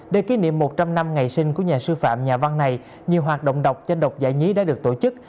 để kỷ niệm một trăm linh năm ngày sinh của nhà sư phạm nhà văn này nhiều hoạt động đọc cho đọc giải nhí đã được tổ chức